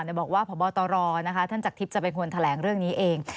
บอกว่าพบตรท่านจากทิพย์จะเป็นคนแถลงเรื่องนี้เอง